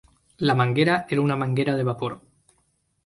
La manguera era una manguera de vapor.